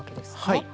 はい。